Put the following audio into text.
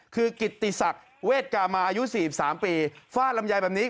คือกิตติศักดิ์เวทกามาอายุ๔๓ปีฟาดลำไยแบบนี้